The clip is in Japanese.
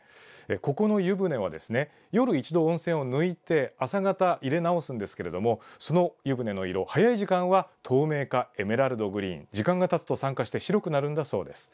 ここの湯船はよる一度温泉を抜いて朝方入れなおすんですがその湯船の色、早い時間は透明かエメラルドグリーン時間がたつと酸化して白くなるんだそうです。